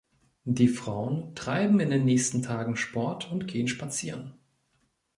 Die Frauen treiben in den nächsten Tagen Sport und gehen spazieren.